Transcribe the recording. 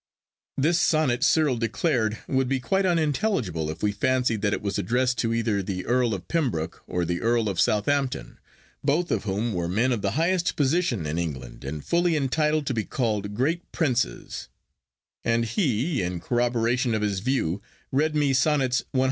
This sonnet Cyril declared would be quite unintelligible if we fancied that it was addressed to either the Earl of Pembroke or the Earl of Southampton, both of whom were men of the highest position in England and fully entitled to be called "great princes"; and he in corroboration of his view read me Sonnets CXXIV.